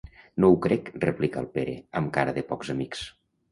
No ho crec —replica el Pere, amb cara de pocs amics—.